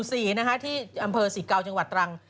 เสียใจด้วยหมู่๔ที่อำเภอศิกาวจังหวัดตรัง